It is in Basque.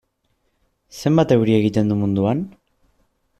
Zenbat euri egiten du munduan?